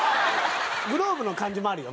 グローブの感じもあるよ